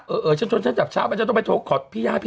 เออชั้นชั้นจับเช้ามาต้องไปทดโกรธพี่ย่า